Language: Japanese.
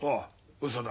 うそだ。